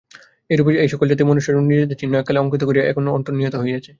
এইরূপেই এই-সকল জাতি মনুষ্যসমাজে নিজেদের চিহ্ন এককালে অঙ্কিত করিয়া এখন অন্তর্হিত হইয়াছে।